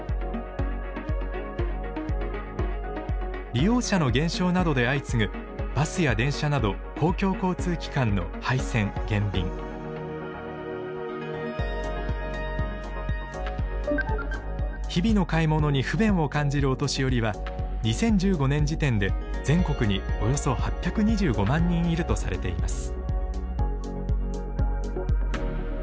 利用者の減少などで相次ぐバスや電車など日々の買い物に不便を感じるお年寄りは２０１５年時点で全国におよそ８２５万人いるとされています。